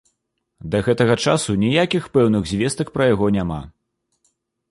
Да гэтага часу ніякіх пэўных звестак пра яго няма.